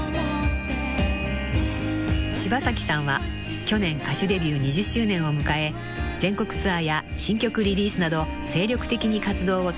［柴咲さんは去年歌手デビュー２０周年を迎え全国ツアーや新曲リリースなど精力的に活動を続けています］